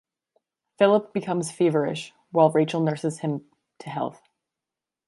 Philip becomes feverish, while Rachel nurses him to health.